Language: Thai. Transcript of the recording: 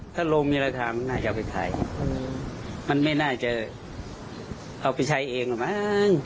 ถ้าโรงมีราคามันน่าจะเอาไปขายอืมมันไม่น่าจะเอาไปใช้เองหรอบ้าง